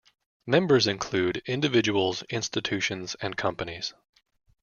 Members include individuals, institutions and companies.